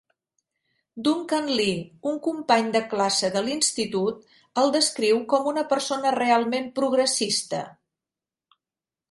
Duncan Lee, un company de classe de l'institut, el descriu com a una "persona realment progressista".